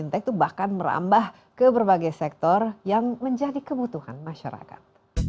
fintech adalah teknologi yang ditambah ke berbagai sektor yang menjadi kebutuhan masyarakat